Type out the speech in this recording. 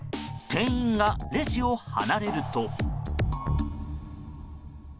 店員がレジを離れると。